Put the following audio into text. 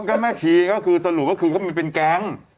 ก็แม่ชีก็คือสรุปว่าคือก็เป็นแก๊ง